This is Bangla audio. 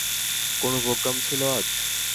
কোনো প্রোগ্রাম ছিলো আজ?